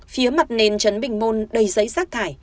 phía mặt nền chấn bình môn đầy giấy rác thải